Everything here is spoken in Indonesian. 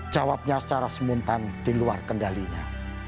jawabnya secara semuntan di luar kendalinya